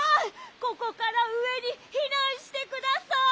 ここからうえにひなんしてください！